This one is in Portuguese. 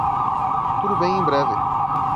Tudo bem em breve.